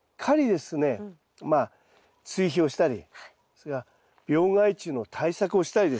まあ追肥をしたりそれから病害虫の対策をしたりですね